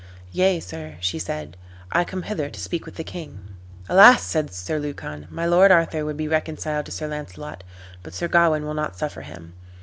"Yea, sir," she said, "I come hither to speak with the king." "Alas!" said Sir Lucan, "my lord Arthur would be reconciled to Sir Launcelot, but Sir Gawain will not suffer him."